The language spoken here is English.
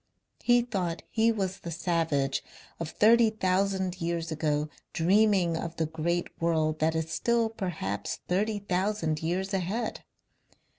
He thought he was the savage of thirty thousand years ago dreaming of the great world that is still perhaps thirty thousand years ahead.